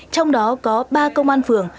trong đó có ba công an phường